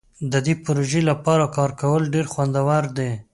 د دې پروژې لپاره کار کول ډیر خوندور دي.